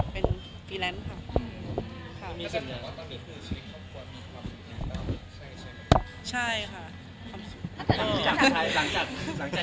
เรียกงานไปเรียบร้อยแล้ว